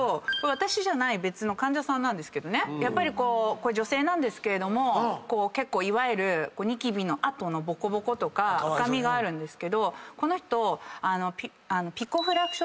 私じゃない別の患者さんですけどやっぱり女性なんですけれども結構ニキビの痕のぼこぼことか赤みがあるんですけどこの人。